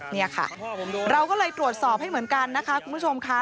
นี่ค่ะเราก็เลยตรวจสอบให้เหมือนกันนะคะคุณผู้ชมค่ะ